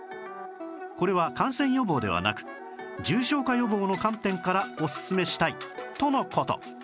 これは感染予防ではなく重症化予防の観点からおすすめしたいとの事